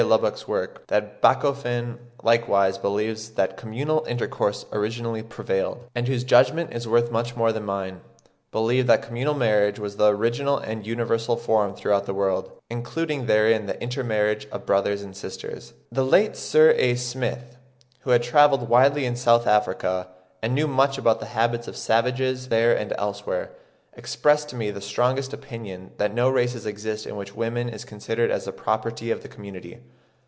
Lubbock's work, that Bachofen likewise believes that communal intercourse originally prevailed.), and whose judgment is worth much more than mine, believe that communal marriage (this expression being variously guarded) was the original and universal form throughout the world, including therein the intermarriage of brothers and sisters. The late Sir A. Smith, who had travelled widely in S. Africa, and knew much about the habits of savages there and elsewhere, expressed to me the strongest opinion that no race exists in which woman is considered as the property of the community.